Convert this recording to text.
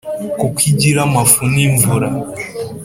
kuko igira amafu n’imvura